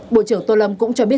bộ trưởng tô lâm cũng cho biết